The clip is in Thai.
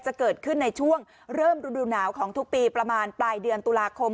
จะเกิดขึ้นในช่วงเริ่มฤดูหนาวของทุกปีประมาณปลายเดือนตุลาคม